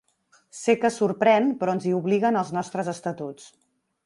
Sé que sorprèn, però ens hi obliguen els nostres estatuts.